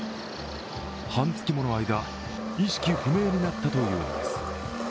半月もの間、意識不明になったというのです。